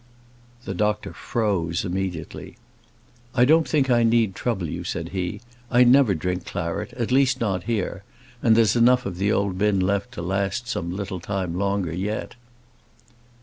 The doctor froze immediately. "I don't think I need trouble you," said he; "I never drink claret, at least not here; and there's enough of the old bin left to last some little time longer yet."